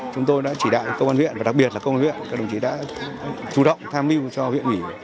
chúng tôi đã chỉ đạo công an huyện và đặc biệt là công an huyện các đồng chí đã chủ động tham mưu cho huyện ủy